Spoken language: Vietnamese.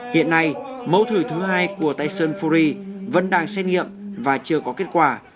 hiện nay mẫu thử thứ hai của tyson fury vẫn đang xét nghiệm và chưa có kết quả